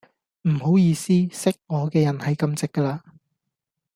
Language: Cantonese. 唔好意思,識我個人係咁直架啦.